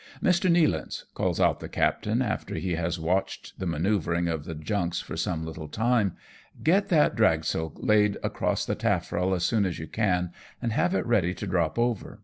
" Mr. Nealance," calls out the captain after he has watched the manoeuvring of the junks for some little time, " get that dragsail laid across the taffrail as soon as you can, and have it ready to drop over."